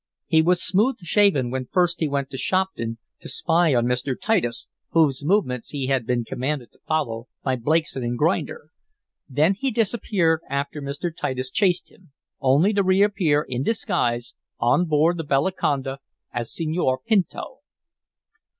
He was smooth shaven when first he went to Shopton, to spy on Mr. Titus, whose movements he had been commanded to follow by Blakeson & Grinder. Then he disappeared after Mr. Titus chased him, only to reappear, in disguise, on board the Bellaconda, as Senor Pinto.